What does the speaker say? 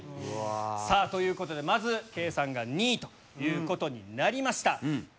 さぁということでまず圭さんが２位ということになりました。